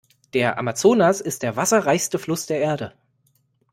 Der Amazonas ist der wasserreichste Fluss der Erde.